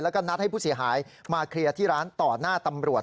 แล้วก็นัดให้ผู้เสียหายมาเคลียร์ที่ร้านต่อหน้าตำรวจ